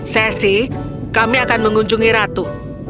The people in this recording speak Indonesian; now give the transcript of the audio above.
sesi kami akan mengunjungi ratu